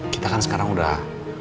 kita kan sekarang udah